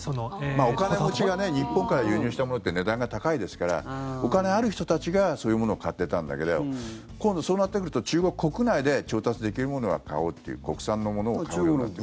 お金持ちが日本から輸入したものって高いですからお金がある人たちがそういうものを買っていたんだけど今度、そうなってくると中国国内で調達できるものは買おうという国産のものを買おうという。